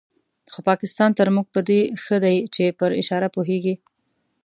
خو پاکستان تر موږ په دې ښه دی چې پر اشاره پوهېږي.